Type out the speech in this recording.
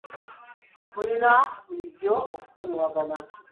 Mulina bulijjo okusonyiwagana.